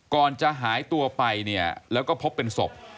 ก่อนจะหายตัวไปเนี่ยแล้วก็พบเป็นศพ